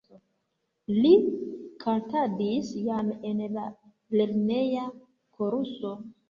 Li kantadis jam en la lerneja koruso.